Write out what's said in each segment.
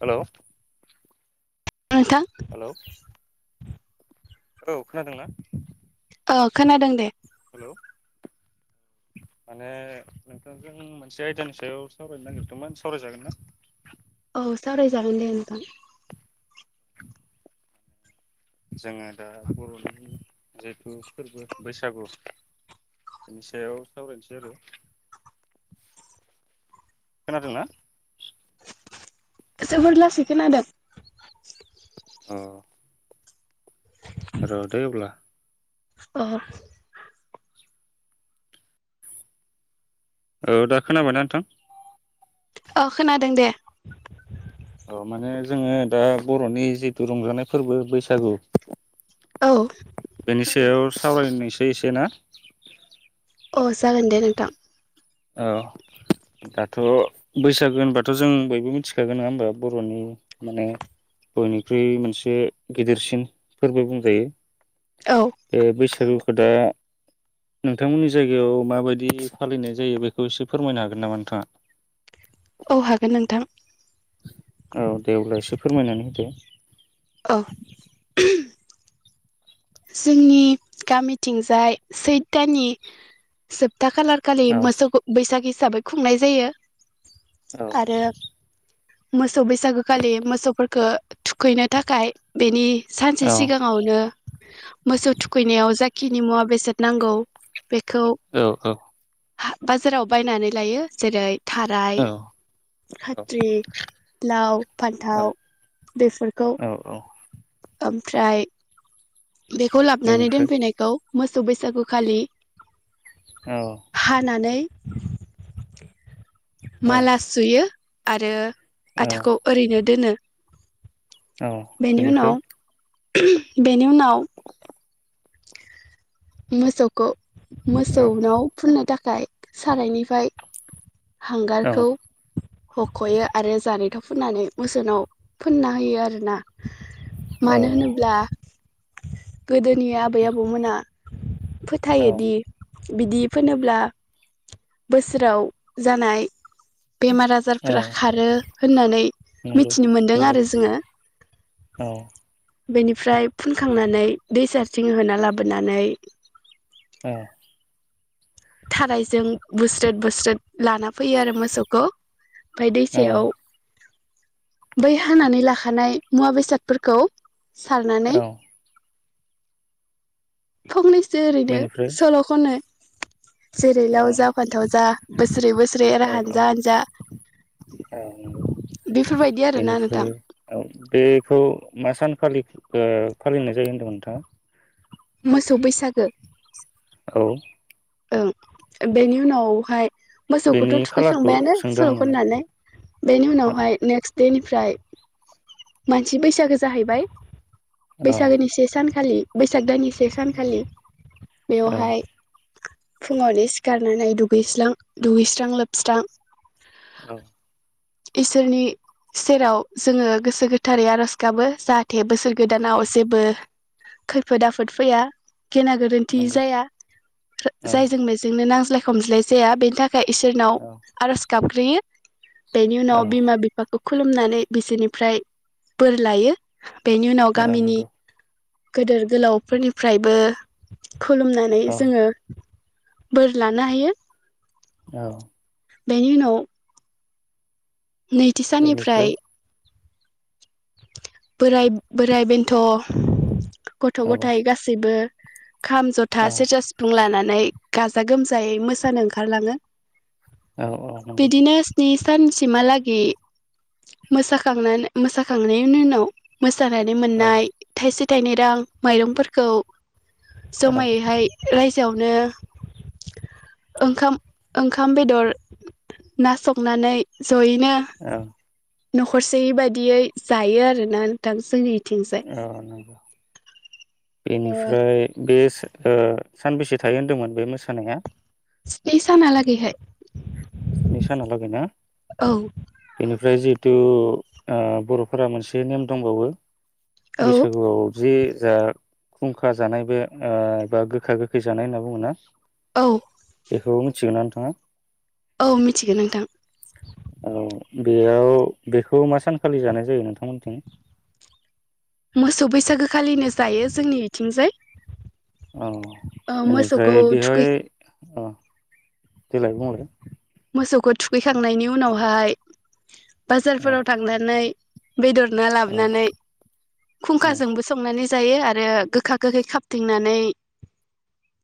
Hello ओनथां hello औ खोनादोंना। ओ खोनादों दे। हेलौ- माने नोंथांजों मोनसे आयदानि सायाव सावरायनो नागिरदोंमोन सावरायजागोन ना। औ सराय जागोन दे नोंथां। [inaudible] जोङो दा बर'नि जिथु। जोबोर लासै खोनादों। अ र' दैब्ला। अ। औ दा खोनाबायना नोंथां। औ खोनादों दे। अ माने जोङो दा बर'नि जिथु रंजानाय फोरबो बैसागु। औ। बेनि सायाव सावरायनायसै एसे ना। अ साग दे नोंथां। औ दाथ' बैसागो होनबाथ' जों बयबो मिथिखागोन नङा होनबा बर'नि माने। बे औ बैसागु। दा नोंथांमोननि जायगायाव माबायदि फालिनाय। जायो बेखौ एसे फोरमायनो हागोन नामा नोंथाङा। औ हागोन नोंथां। औ दे अब्ला एसे फोरमायनानै होदो। औ। जोंनि गामिथिंजाय सैथानि जोब। दा खाालार खालि औ मोसौ बैसागि। हिसाबै खुंनाय जायो। औ। आरो मोसौ बैसागोखालि मोसौफोरखौ थुखैनो थाखाय बेनि। सानसे औ सिगाङावनो। मोसौ थुखैनायाव जाखिनि मुवा बेसाद नांगौ। बेखौ औ औ। बाजाराव बायनानै लायो जेरै। थाराय औ खाथ्रि लाव फान्थाव बेफोरखौ। औ औ ओमफ्राय। बेखौ लाबानै बेनिफ्राय दोनफैनायखौ। मोसौ बैसागु। औ हानानै। [inaudible] औ औ माला सुयो। आरो। आथाखौ ओरैनो दोनो औ बेनि उनाव बेनिफ्राय बेनि उनाव मोसौखौ औ औ मोसौनाव फुननो थाखाय गाइक सानायनिफ्राय नंगौ हांगारखौ हखयो आरो जानायथाव फुननानै मोसोनाव फोनना होयो आरोना मानो होनोब्ला गोदोनि आबै आबौमोना फोथायोदि बिदि फोनोब्ला बोसोराव जानाय बेमार आजारफोरा खारो होननानै मिथिनो मोनदों नंगौ आरो जोंङो औ बेनिफ्राय फुनखांनानै दै सारथिं होना लाबोनानै औ थानायारजों बुस्रोद बुस्रोद लाना फैयो आरो मोसौखौ ओमफ्राय औ दैसायाव बै हानानै लाखानाय मुवा बेसादफोरखौ सारनानै औ [unintelligible] जे ओरैनो बेनिफ्राय सल खननो जेरै औ लाव जा फानथाव जा बोसोरै बोसोरै आरो औ हानजा हानजा नंगौ बेफोरबायदि आरोना बेनिफ्राय नोंथां लि फालिनाय जायो होनदोंमोन नोंथाङा मोसौ बैसागो औ ओं बेनि उनावहाय मोसौखौथ बेनि खालारखौ थुखैखांबायानो सोंदों आं सल माने खननानै बेनि औ उनावहाय नेक्स्ट बेनिफ्राय मानसि बैसागो जाहैबाय औ बैसागोनि से सानखालि बैसाग दानि से सानखालि औ बेवहायत फुङावनो सिखारनानै दुगैस्रां दुगैस्रां लोबस्रां औ। इसोरनि सेराव जोङो गोसो गोथारै आर'ज गाबो जाहा थे बोसोर औ गोदानाव जेबो खैफोद आफोद फैया। गेना गोरोन्थि नंगौ जाया। औ जायजों मेजों नो नांज्लाय खमज्लाय जाया बेनि थाखाय इसोरनाव औ आर'ज गाब ग्रोयो। बेनि उनाव बिमा बिफाखौ खुलुमनानै बिसोरनिफ्राय बोर लायो। बेनि उनाव औ गामिनि नंगौ गोदोर गोलावफोरनिफ्रायबो खुलुमनानै औ जोङो बोर लानो हायो। औ। बेनि उनाव नैथि बेनिफ्राय साननिफ्राय बोराय बोराइ बेन्थ' गथ' औ गथायाइ गासैबो खाम जथा औ सेरजा सिफुं लानानै नाय गाजा गोमजायै मोसानो ओंखारलाङो। औ औ नंगौ। सानसिमाहालागि मोसाखांनानै मोसा खांनायनि उनाव मो मोसानानै औ मोननाय थाइसे थायनै रां माइरंफोरखौ औ औ जमायैहाय रायजोआवनो ओंखाम ओंखाम बेदर ना संनानै जयैनो। न'खरसेयै बायदियै जायो आरोना नोंथां जोंनि औ नंगौ ओ बेनिफ्राय बे सो ओ सानबेसे थायो होन्दोंमोन बे मोसानाया स्नि सानालागैहाय स्नि सानालागै ना। औ बेनिफ्राय जि [inaudible] ओ बर'फोरा मोनसे नेम दंबावो औ बैसागुआव जे जा खुंखा जानाय बे ओ एबा गोखा गोखै जानाय होनना बुङो ना औ [unintelligible] बेखौ मिथिगोनना नोंथाङा औ मिथिगोन नोंथां। औ बेयाव बेखौ मा सानखालि जानाय जायो नोंथांमोनथिं मोसौ बैसागोखालिनो जायो जोंनि इथिंजाय औ बेनिफ्राय बेहाय थुखै अ देेलाय बुंलाय मोसौखौ थुखैखांनायनि उनावहाय औ बाजारफोराव थांनानै बेदर ना औ लाबोनानै औ खुंखाजोंबो संनानै जायो आरो गोखा गोखै खाबथिंनानै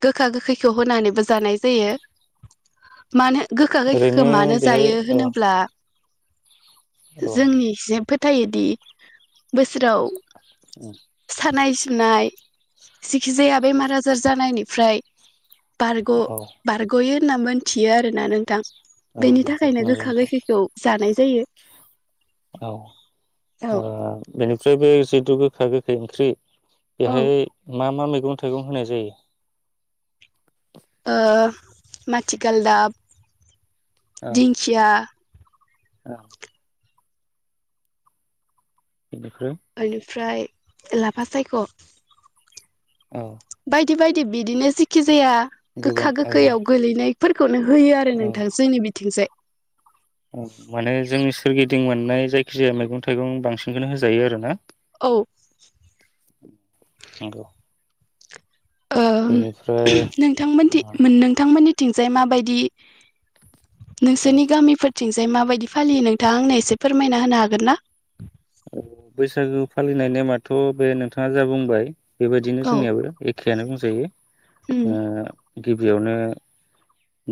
गोखा गोखैखौ होनानैबो जानाय जायो। मानो गोखा गोखैखो ओरैनो मानो बेहाय जायो औ होनोब्ला औ जोंनि जोबोद फोथायोदि बोसोराव सानाय सि नाय। जिखिजाया बेमार आजार जानायनिफ्राय बारग' औ बारग'यो होनना मोनथियो आरोना नों थां औ बेनि नंगौ थाखायनो नंगौ गोखा नोंथां गोखैखौ जानाय जायो। औ ओ औ बेनिफ्राय बे जे गोखा गोखै ओंख्रि औ बेहाय मा मा मै [inaudible] गं थाइगं होनाय जायो? ओ माथि गालदाब औ दिंखिया औ बेनिफ्राय ओमफ्राय लाफा सायख औ बायदि बायदि बिदिनो जेखि जाया गोबां गोखा औ गोखैयाव गोलैनाय फोरखौनो होयो आरो नोंथां जोंनि बिथिंजाय। उम मोनो जोंनि [unintelligible] सोरगिदिं मोननाय जायखिजाया मैगं थाइगं बांसिनखौनो होजायो आरो ना। औ [unintelligible] नंगौ। ओ बेनिफ्राय नोंथांमोनथि ओ मोन नोंथांमोननि थिंजाय माबायदि नोंसोरनि गामिफोर थिंजाय माबायदि फालियो नोंथाङा आंनो एसे फोरमायना होनो हागोन ना? औ बैसागु फालिनाय नेमाथ बे नोंथाङा जा बुंबाय बेबायदिनो औ जोंनियाबो एखे। बेनो बुंजायो। ओ। गिबियावनो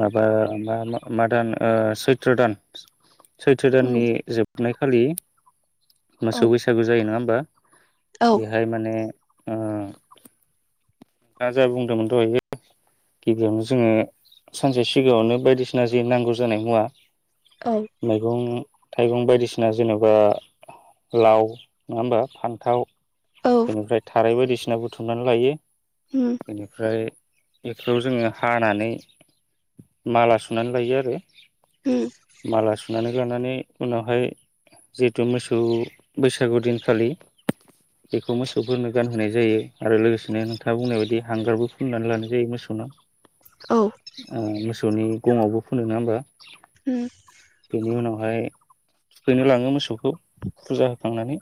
माबा मा-मा मा-मादान ओ सैथ्र दान। सैथ्र दाननि जोबनाय खालि मोसौ बैसागु जायो नङा होमबा? बेहाय माने ओ दा जा बुंदोंमोन दहयो गिबियावनो जोंङो सानसे सिगाङावनो बायदिसिना जि नांगौ जानाय मुवा मैगं थाइगं बायदिसिना जेनेबा लाव नंङा होमबा फान्थाव बेनिफ्राय थाराय बायदिसि ना बुथुमनानै लायो बेनिफ्राय बेफोराव जोंङो हानानै माला सुनानै लायो आरो। माला सुनानै लानानै उनावहाय जिहेथु मोसौ बैसागु दिनखालि बेखौ मोसौफोरनो गानहोनाय जायो आरो लोगोसेनो नोंथाङा बुंनाय बायदि हांगारबो फुननानै लानाय जायो मोसौ सौनो। ओ मोसो सौनि गङावबो फुनो नङा होमबा? उम फाय थुखैनो लाङो मोसौखौ फुजा होखांनानै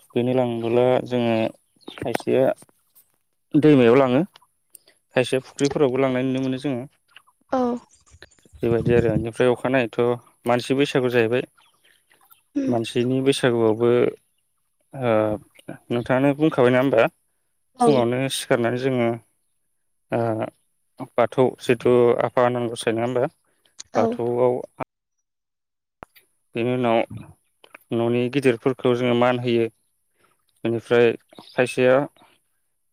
थुखैनो लांबोब्ला जोङो खायसेया दैमायाव लाङो खायसे फुख्रिफोरावबो लांनाय नुनो मोनो जोङो। बेबायदि आरो इनिफ्राय अखानायै थ' मानसि बैसागु जाहैबाय मानसिनि बैसागुआव बो ओ नोंथाङानो बुंखाबाय नङा होमबा फुङावनो सिखारनानै जोङो बाथौ जिथु आफा आनानगसाय नङा होमबा बाथौआव बेनि उनाव न'नि गिदिरफोरखौ जोङो मान होयो बेनिफ्राय खायसेया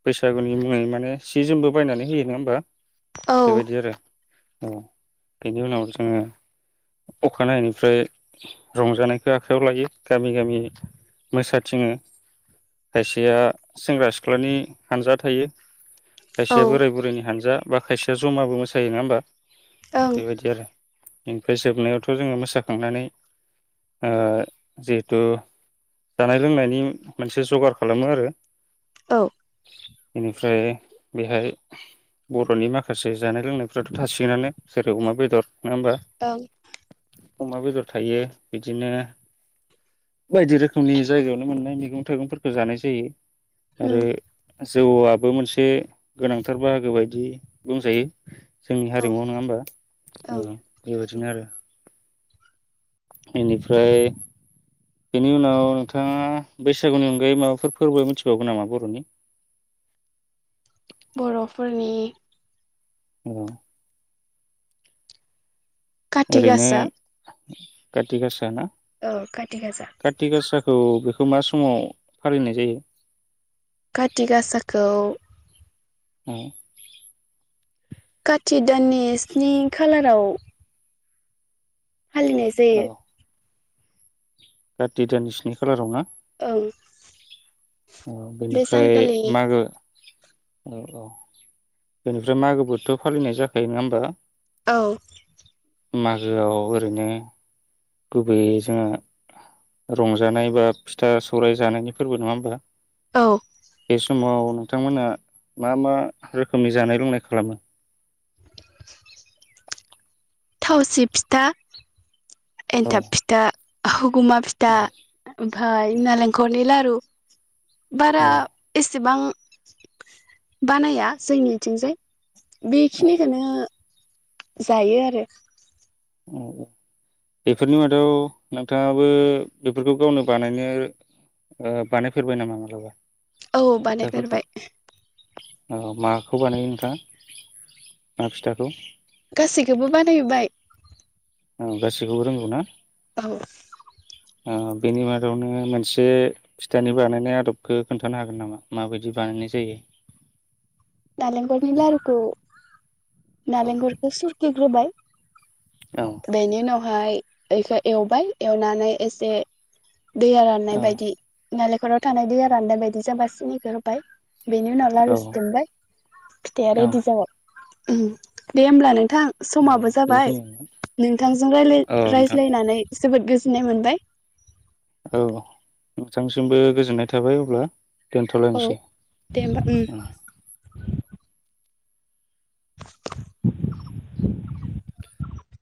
बैसागुनि मुङै माने सि जोमबो बायनानै होयो नङा होमबा बेबायदि आरो औ बेनि उनाव जोङो अखानायैनिफ्राय रंजानायखौ आखाइयाव लायो गामि गामि मोसाथिङो खायसेया सेंग्रा सिख्लानि हानजा थायो। खायसेया बोराय बुरैनि हानजा बा खायसेया ज'माबो मोसायो नङा होमबा बे बादि आरो इनफाय जोबनायावथ' जोङो मोसाखांनानै ओ जिहेथु जानाय लोंनायनि मोनसे जगार खालामो आरो बेनिफ्राय बेहाय बरनि माखासे जानाय लोंनायफ्राथ' थासिगोनानो जेरै अमा बेदर नङा होमबा ओं अमा बेदर थायो बिदिनो बायदि रोखोमनि जायगायावनो मोननाय मैगं थाइगंफोरखौ जानाय जायो। आरो जौ आ बो मोनसे गोनांथार बाहागो बायदि बुंजायो जोंनि हारिमुवआव नङा होमबा ओ बेबायदिनो आरो इनिफ्राय बेनि उनाव नोंथाङा बैसागुनि अनगायै माबाफोर फोरबो मिथिबावो नामा बर'नि बर'फोरनि औ काति ओरैनो गासा खाथि गासा ना औ काति गासा खाथि गासाखौ बे खौ मा समाव फालिनाय जायो? खाथि गासाखौ उम खाथि दाननि स्नि खालाराव फालिनाय जायो। गारथि दाननि स्नि खालाराव ना? ओं ओ बे बेनिफ्राय सानखालि मागो औ औ। बेनिफ्राय मागोबोथ फालिनाय जाखायो नङा होमबा? औ मागोआव ओरैनो गुबैयै जोंआ रंजानाय बा फिथा-सौराय जानायनि फोरबो नङा होमबा? औ [inaudible] समाव नोंथांमोना मा मा रोखोमनि जानाय लोंनाय खालामो? [inaudible] थावसि फिथा औ एन्थाब फिथा गुमा फिथा औ ओमफाय नालेंखरनि लारु। [inaudible] बारा औ एसेबां बानाया जोंनिथिंजाय औ बेखिनिखोनो जायो आरो। औ औ बेफोरनि मादाव नोंथाङाबो बेफोरखौ गावनो बानायनो ओ बानायफेरबाय नामा मालाबा? औ फिथाफोरखौ बानायफेरबाय। औ माखौ बानायो नोंथाङा ओ फिथाखौ? गासैखौबो बानायबाय। औ गासैखौबो रोंगौ ना? औ। बेनि मादावनो मोनसे फिथानि बानायनाय आदबखो खोन्थानो हागोन नामा माबायदि बानायनाय जायो? औ नालेंखरखौ सुरखिग्रोबाय औ बेनि उनाव ओमफ्रय बेखौ एवबाय एवनानै एसे दैया राननाय औ बायदि नालेंखराव थानाय दैया राननाय बायदि जाबा सिनिखौ होबाय बेनि उनाव लारू औ सिथमबाय। फिथाया औ रेदि जाबाय। उम दे होमब्ला नों थां औ समाबो जाबाय बेखिनियानो नोंथांजों रायलाय औ नोंथां रायज्लायनानै जोबोद गोजोन गोजोननाय मोनबाय। औ नोंथांसिमबो गोजोननाय थाबाय अब्ला औ दोनथ'लायनोसै दे होमबा औ [inaudible]